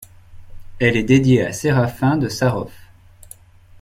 Elle est dédiée à Séraphin de Sarov.